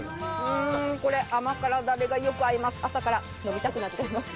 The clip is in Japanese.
これ、甘辛だれがよく合います。